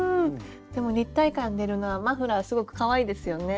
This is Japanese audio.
でも立体感出るのはマフラーすごくかわいいですよね。